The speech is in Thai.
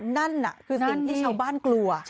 นั่นน่ะคือสิ่งที่ชาวบ้านกลัว